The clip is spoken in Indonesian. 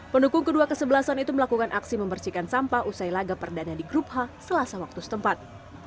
pendukung kedua kesebelasan itu melakukan aksi membersihkan sampah usai laga perdana di grup h selasa waktu setempat